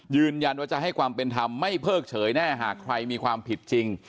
ยืนยันว่าจะให้ความเป็นธรรมไม่เพิกเฉยแน่หากใครมีความผิดจริง